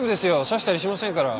刺したりしませんから。